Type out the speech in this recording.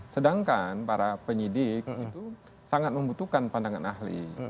sedangkan para penyidik itu sangat membutuhkan pandangan ahli